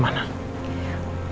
masalah ini ditindaklanjuti sama polisi